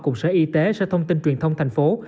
cục sở y tế sở thông tin truyền thông thành phố